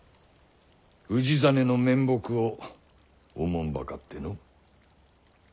氏真の面目をおもんばかっての。